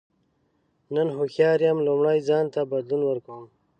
نن هوښیار یم لومړی ځان ته بدلون ورکوم.